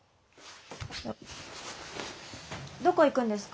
どこ行くんですか？